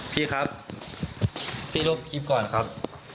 พี่ครับพี่ลบคลิปก่อนครับ